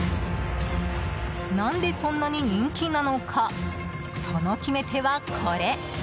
何でそんなに人気なのかその決め手は、これ。